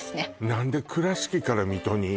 何で倉敷から水戸に？